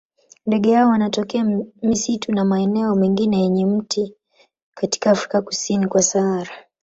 Ndege hawa wanatokea misitu na maeneo mengine yenye miti katika Afrika kusini kwa Sahara.